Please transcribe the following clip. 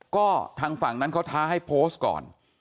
ก็ทางฝั่งนั้นเขาท้าให้โพสต์ก่อน